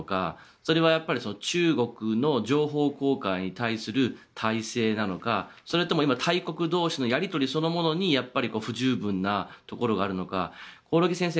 それは中国の情報公開に対する体制なのか、それとも大国同士のやり取りそのものに不十分なところがあるのか興梠先生